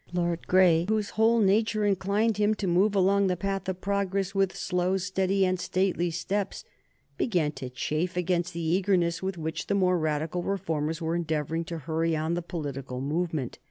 Lord Grey, whose whole nature inclined him to move along the path of progress with slow, steady, and stately steps, began to chafe against the eagerness with which the more Radical reformers were endeavoring to hurry on the political movement.